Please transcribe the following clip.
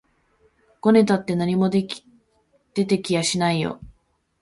ごねたって何も出て来やしないよ